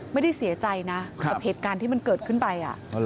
ไม่ได้เสียใจนะกับเหตุการณ์ที่มันเกิดขึ้นไป